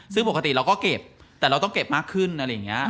ซึ่งปกติเราก็เก็บแต่เราต้องเก็บมากขึ้นอะไรอย่างนี้